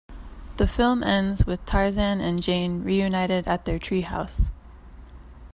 The film ends with Tarzan and Jane reunited at their tree house.